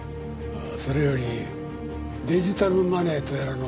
それよりデジタルマネーとやらの説明をしなさい。